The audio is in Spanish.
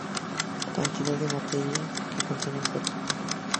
Cantidad de materia que contiene un cuerpo.